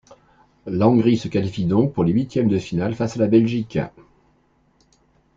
La Hongrie se qualifie donc pour les huitièmes de finale face à la Belgique.